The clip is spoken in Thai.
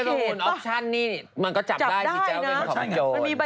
มันก็จับได้ที่เจ้าเป็นของให้โดน